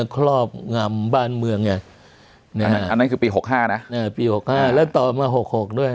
ครอบงำบ้านเมืองไงอันนั้นคือปี๖๕นะปี๖๕แล้วต่อมา๖๖ด้วย